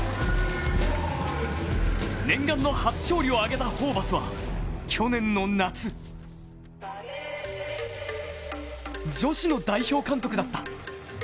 念願の初勝利を挙げたホーバスは、去年の夏女子の代表監督だった。